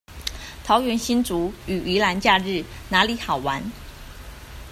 桃園新竹與宜蘭假日哪裡好玩